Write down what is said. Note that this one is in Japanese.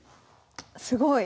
すごい。